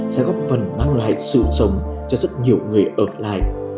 sẽ góp phần mang lại sự sống cho rất nhiều người ở lại